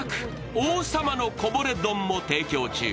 王様のこぼれ丼も提供中。